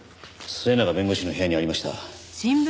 末永弁護士の部屋にありました。